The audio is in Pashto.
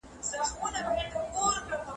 مواد باید په سم او علمي ډول منظم سي.